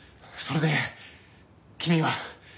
それで君は。